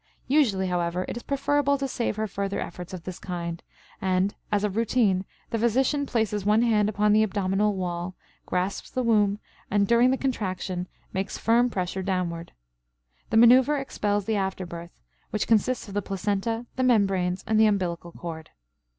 Usually, however, it is preferable to save her further efforts of this kind, and, as a routine, the physician places one hand upon the abdominal wall, grasps the womb, and, during the contraction, makes firm pressure downward. The maneuver expels the after birth, which consists of the placenta, the membranes, and the umbilical cord.